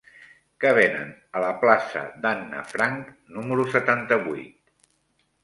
Què venen a la plaça d'Anna Frank número setanta-vuit?